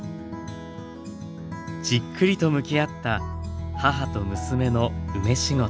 じっくりと向き合った母と娘の梅仕事。